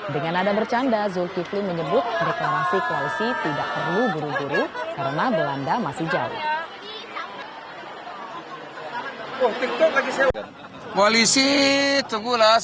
dengan nada bercanda zulkifli menyebut deklarasi koalisi tidak perlu buru buru karena belanda masih jauh